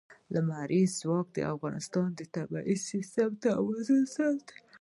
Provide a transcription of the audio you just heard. لمریز ځواک د افغانستان د طبعي سیسټم توازن ساتي.